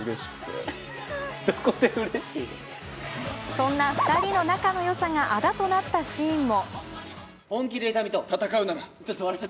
そんな２人の仲のよさがあだとなったシーンも。